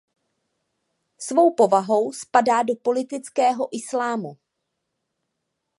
Svou povahou spadá do politického islámu.